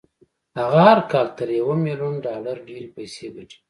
هغه هر کال تر يوه ميليون ډالر ډېرې پيسې ګټي.